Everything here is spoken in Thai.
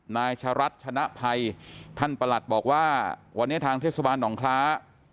นายชะรัฐชนะภัยท่านประหลัดบอกว่าวันนี้ทางเทศบาลหนองคล้า